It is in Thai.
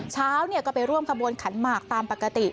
เช้าก็ไปร่วมขบวนขันหมากตามปกติ